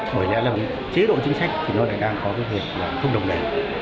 bởi lẽ là chế độ chính sách thì nó đang có việc là không đồng đề